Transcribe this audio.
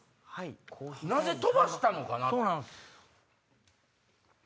なぜ飛ばしたのかな？